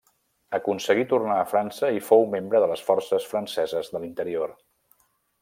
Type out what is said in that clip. Aconseguí tornar a França i fou membre de les Forces Franceses de l'Interior.